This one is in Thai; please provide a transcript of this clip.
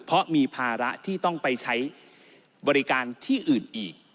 เพราะมีภาระที่ต้องไปใช้บริการที่อื่นอีก